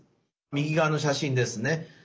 右側の写真ですね。